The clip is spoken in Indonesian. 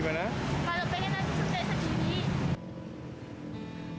kegiatan vaksinasi ini menunjukkan kegiatan vaksinasi